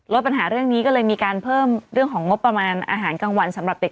ลดปัญหาเรื่องนี้ก็เลยมีการเพิ่มเรื่องของงบประมาณอาหารกลางวันสำหรับเด็ก